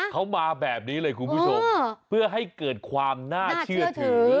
เขามาแบบนี้เลยคุณผู้ชมเพื่อให้เกิดความน่าเชื่อถือ